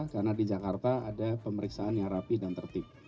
karena di jakarta ada pemeriksaan yang rapi dan tertib